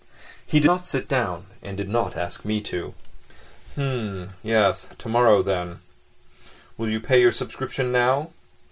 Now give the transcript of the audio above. He did not sit down and did not ask me to. "H'm ... yes ... tomorrow, then. Will you pay your subscription now?